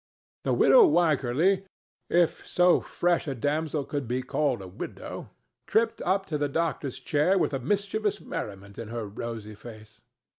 The widow Wycherly—if so fresh a damsel could be called a widow—tripped up to the doctor's chair with a mischievous merriment in her rosy face.